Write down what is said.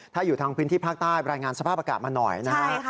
ถ้าอยู่ทางพื้นที่ภาคใต้รายงานสภาพอากาศมาหน่อยนะครับ